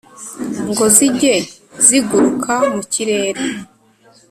ngo zijye ziguruka mu kirere